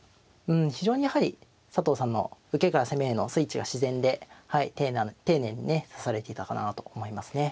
非常にやはり佐藤さんの受けから攻めへのスイッチが自然で丁寧にね指されていたかなと思いますね。